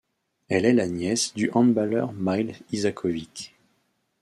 Elle est la nièce du handballeur Mile Isaković.